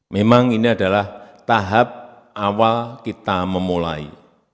memang ini adalah tahap awal kita memulai